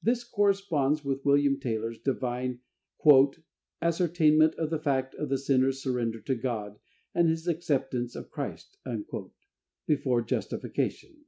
This corresponds with William Taylor's Divine "ascertainment of the fact of the sinner's surrender to God, and his acceptance of Christ," before justification.